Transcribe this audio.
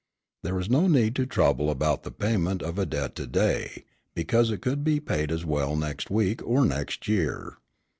There was no need to trouble about the payment of a debt to day, because it could be paid as well next week or next year.